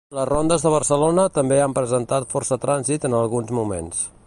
Les rondes de Barcelona també han presentat força trànsit en alguns moments.